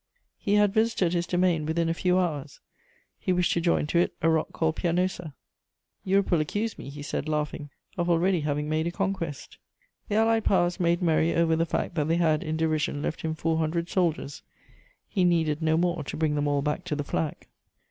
He had visited his domain within a few hours; he wished to join to it a rock called Pianosa. "Europe will accuse me," he said, laughing, "of already having made a conquest." The Allied Powers made merry over the fact that they had in derision left him four hundred soldiers: he needed no more to bring them all back to the flag.